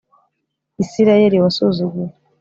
Isirayeli wasuzuguye